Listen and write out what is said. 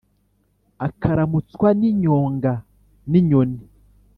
akaramutswa ni nyonga ni nyoni